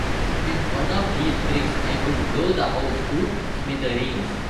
With one of these bricks I could blow the house to smithereens.